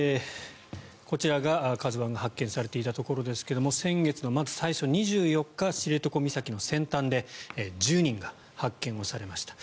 こちらが「ＫＡＺＵ１」が発見されていたところですが先月の末最初２４日、知床岬の先端で１０人が発見されました。